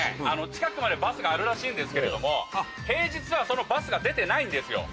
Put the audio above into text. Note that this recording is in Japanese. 近くまでバスがあるらしいんですけれども平日はそのバスが出てないんですよ。